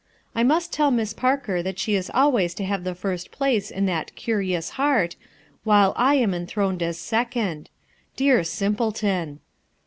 I must tell Miss Parker that she is always to have the first place in that 'curious' heart, while I am enthroned as second. Dear simpleton